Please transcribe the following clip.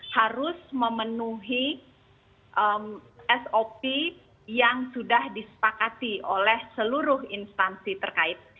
harus memenuhi sop yang sudah disepakati oleh seluruh instansi terkait